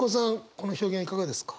この表現いかがですか。